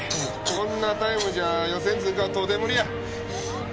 こんなタイムじゃ予選通過は到底無理や。